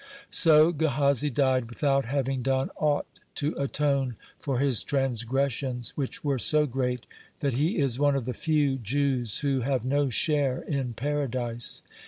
(17) So Gehazi died without having done aught to atone for his transgressions, which were so great that he is one of the few Jews who have no share in Paradise.